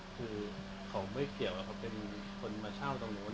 เขาก็ไม่เกี่ยว่าเขาเป็นคนมาเช่าตรงโน้น